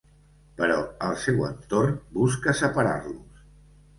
Però el seu entorn busca separar-los.